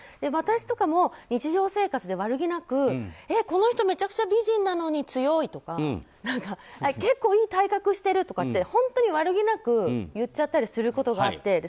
私とかも日常生活で悪気なくえっ、この人めちゃくちゃ美人なのに強い！とか結構いい体格してるとか本当に悪気なく言っちゃったりすることがあって。